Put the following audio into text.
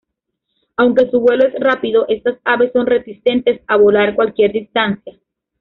Aunque su vuelo es rápido, estas aves son reticentes a volar cualquier distancia.